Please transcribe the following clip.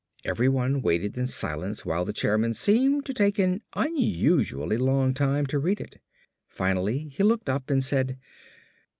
Everybody waited in silence while the chairman seemed to take an unusually long time to read it. Finally he looked up and said.